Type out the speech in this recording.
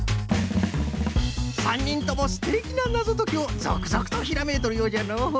３にんともすてきななぞときをぞくぞくとひらめいとるようじゃの。